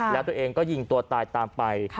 แล้วตัวเองก็ยิงตัวตายตามไป